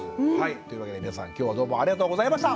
というわけで皆さん今日はどうもありがとうございました。